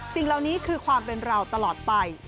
สิ่งเหล่านี้คือความเป็นเราตลอดไป